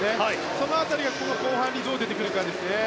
その辺りが後半にどう出てくるかですね。